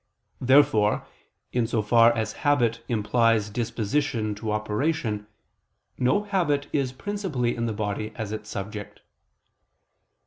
Therefore in so far as habit implies disposition to operation, no habit is principally in the body as its subject.